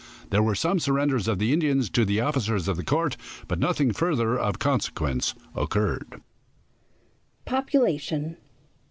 There were some surrenders of the Indians to the officers of the court, but nothing further of consequence occurred. POPULATION.